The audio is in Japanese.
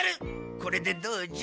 これでどうじゃ？